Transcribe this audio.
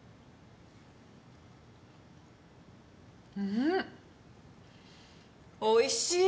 うんおいしい！